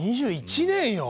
２１年よ。